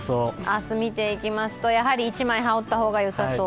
明日、見ていきますと、やはり１枚羽織ったほうがよさそう。